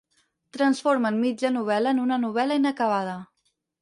Transformen mitja novel·la en una novel·la inacabada.